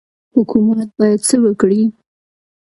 حکومت باید څه وکړي؟